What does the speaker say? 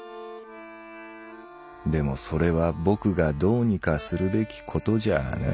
でもそれは僕がどうにかするべきことじゃあない。